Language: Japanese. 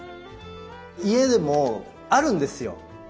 家でもうあるんですよ。